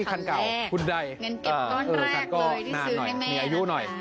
คุณขวานเนี่ย